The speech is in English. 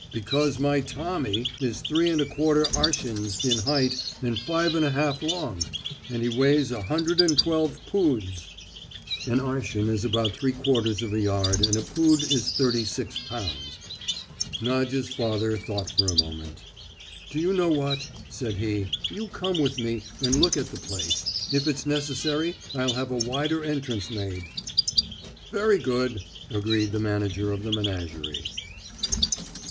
Because my 'Tommy' is three and a quarter arshins in height and five and a half long. And he weighs a hundred and twelve poods." An arshin is about 3/4 of a yard, and a pood is 36 lbs. Nadya's father thought for a moment. "Do you know what?" said he. "You come with me and look at the place. If it's necessary, I'll have a wider entrance made." "Very good!" agreed the manager of the menagerie.